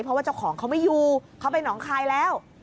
เพราะว่าเจ้าของเขาไม่อยู่เขาไปหนองคายแล้ว